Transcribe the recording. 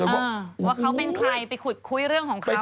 ว่าเขาเป็นใครไปขุดคุยเรื่องของเขา